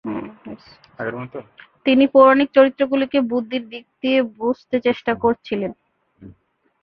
তিনি পৌরাণিক চরিত্রগুলিকে বুদ্ধির দিক দিয়ে বুঝতে চেষ্টা করেছিলেন।